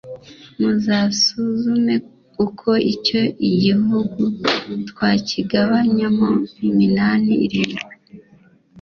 muzasuzume uko icyo igihugu twakigabanyamo iminani irindwi